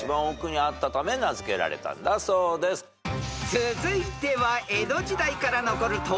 ［続いては］